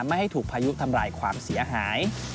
ไม่ให้ถูกพายุทำลายความเสียหาย